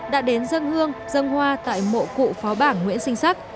đã đến dâng hương dâng hoa tại mộ cụ phó bảng nguyễn sinh sắc